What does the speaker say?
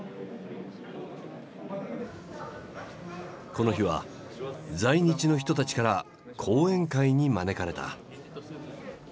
この日は在日の人たちから講演会に招かれた。